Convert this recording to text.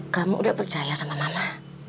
kamu udah percaya sama mama